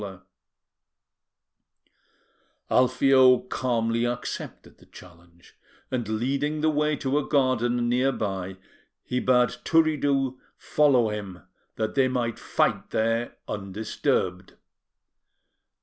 Alfio calmly accepted the challenge, and, leading the way to a garden near by, he bade Turiddu follow him, that they might fight there undisturbed.